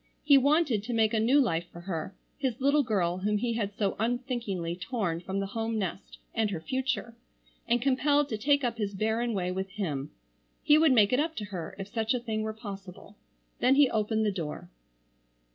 He wanted to make a new life for her, his little girl whom he had so unthinkingly torn from the home nest and her future, and compelled to take up his barren way with him. He would make it up to her if such a thing were possible. Then he opened the door.